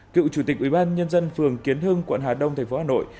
cựu chủ tịch ubnd phường kiến hưng quận hà đông tp hà nội